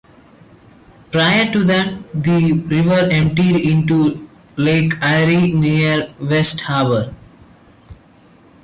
Prior to that, the river emptied into Lake Erie near West Harbor.